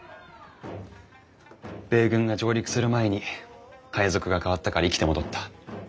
米軍が上陸する前に配属がかわったから生きて戻った。